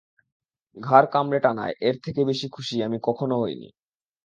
ঘাড় কামড়ে টানায় এর থেকে বেশি খুশি আমি কখনও হইনি।